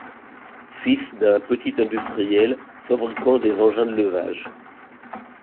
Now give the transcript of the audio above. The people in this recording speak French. Fils d’un petit industriel fabriquant des engins de levage.